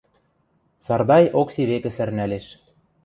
Сардай Окси векӹ сӓрнӓлеш.